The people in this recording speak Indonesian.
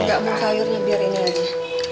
ambil sayurnya biar ini lagi